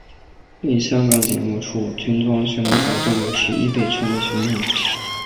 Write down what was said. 另香港警务处军装巡逻小队有时亦被称为巡警。